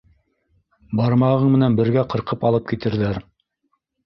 Бармағың менән бергә ҡырҡып алып китерҙәр